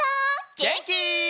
げんき？